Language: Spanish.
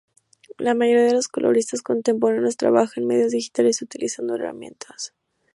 La mayoría de los coloristas contemporáneos trabajan en medios digitales utilizando herramientas.